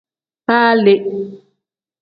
Baa le.